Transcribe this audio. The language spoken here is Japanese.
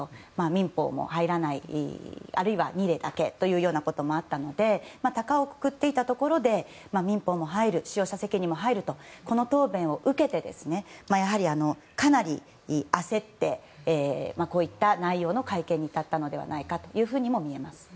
民法も入らないということもあったので高をくくっていたところで民法も入る使用者責任も入るとこの答弁を受けてやはり、かなり焦ってこういった内容の会見に至ったのではないかとも見えます。